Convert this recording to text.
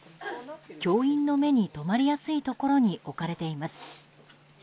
教員の目に留まりやすいところに置かれています。